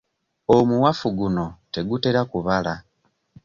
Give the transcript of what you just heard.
Omuwafu guno tegutera kubala.